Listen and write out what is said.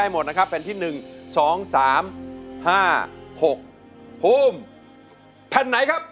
เหลือ